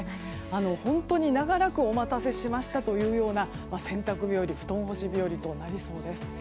本当に長らくお待たせしましたというような洗濯日和布団干し日和となりそうです。